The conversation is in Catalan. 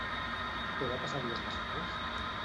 Què va passar dies després?